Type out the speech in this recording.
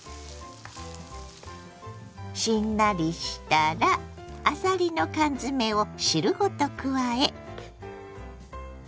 しんなりしたらあさりの缶詰を汁ごと加え。